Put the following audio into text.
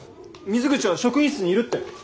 水口は職員室にいるって。